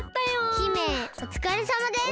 姫おつかれさまです。